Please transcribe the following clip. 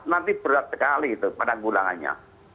nanti berat sekali pada gulangannya